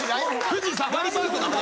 富士サファリパークの話？